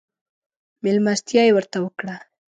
مېلمستيا يې ورته وکړه.